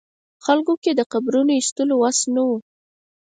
خلکو کې د قبرونو ویستلو وس نه و.